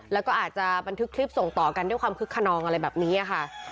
แล้วก็อาจจะบันทึกคลิปส่งต่อกันด้วยความคึกขนองอะไรแบบนี้ค่ะ